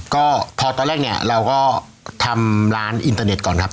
ก็พอตอนแรกเนี่ยเราก็ทำร้านอินเตอร์เน็ตก่อนครับ